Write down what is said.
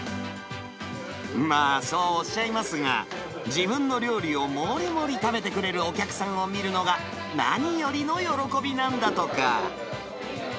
まあ、そうおっしゃいますが、自分の料理をもりもり食べてくれるお客さんを見るのが、何よりの喜びなんだとか。